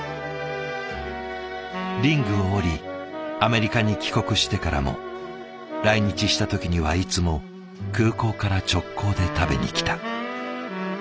リングを降りアメリカに帰国してからも来日した時にはいつも空港から直行で食べに来た。